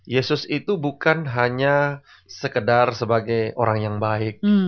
yesus itu bukan hanya sekedar sebagai orang yang baik